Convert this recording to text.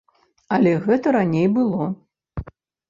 Але гэта раней было.